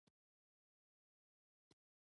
کوربه د خپل کور سپېڅلتیا ساتي.